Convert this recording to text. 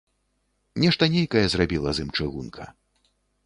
Нешта нейкае зрабіла з ім чыгунка.